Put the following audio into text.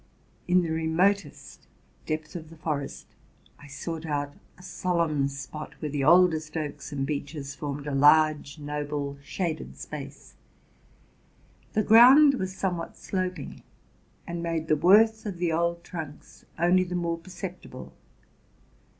In the remotest depth of the forest I sought out a solemn spot, where the oldest oaks and_ beeches formed a large, noble, shaded space. 'The ground was somewhat sloping, and made the worth of the old trunks only the more perceptible.